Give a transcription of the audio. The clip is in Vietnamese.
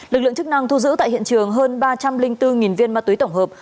lực lượng chức năng thu giữ tại hiện trường hơn ba trăm linh bốn viên ma túy tổng hợp